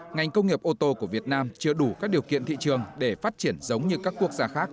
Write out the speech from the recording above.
ngành công nghiệp ô tô của việt nam chưa đủ các điều kiện thị trường để phát triển giống như các quốc gia khác